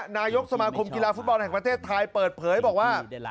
นายกสมาคมกีฬาฟุตบอลแห่งประเทศไทยเปิดเผยบอกว่า